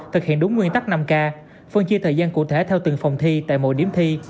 thực hiện đúng nguyên tắc năm k phân chia thời gian cụ thể theo từng phòng thi tại mỗi điểm thi